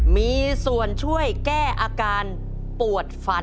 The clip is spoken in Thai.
มีส่วนช่วยแก้อาการปวดฟัน